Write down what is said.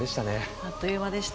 あっという間でした